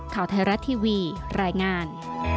ข่าวไทยรัฐทีวีรายงาน